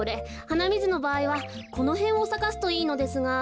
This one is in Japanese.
はなみずのばあいはこのへんをさかすといいのですが。